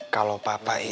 kalau papa itu